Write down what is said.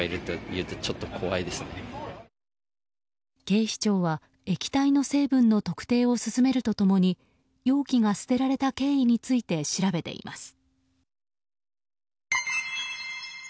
警視庁は液体の成分の特定を進めると共に容器が捨てられた経緯について調べています。